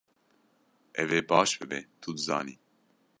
Ev ê baş bibe, tu dizanî.